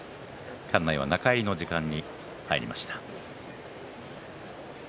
館内は中入りの時間に入りました。